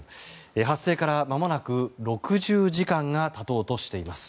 発生からまもなく６０時間が経とうとしています。